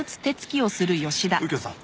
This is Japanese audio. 右京さん